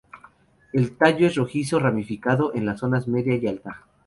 El tallo es rojizo, ramificado en las zonas media y alta.